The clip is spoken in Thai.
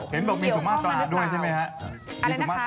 เห็นบอกมีสุมาตราด้วยใช่ไหมครับ